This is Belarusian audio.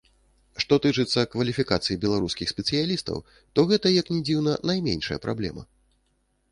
Што тычыцца кваліфікацыі беларускіх спецыялістаў, то гэта, як ні дзіўна, найменшая праблема.